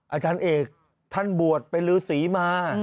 อาจารย์เอกท่านบวชเป็นฤษีมา